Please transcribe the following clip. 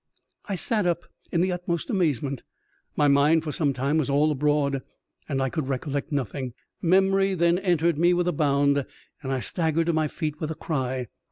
I sat up in the utmost amazement. My mind, for some time, was all abroad, and I could recollect nothing. Memory then entered me with a bound, and I staggered to my feet with a cry.